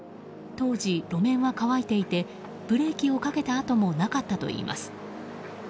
当時、路面は乾いていてブレーキをかけた跡もなかったといいます。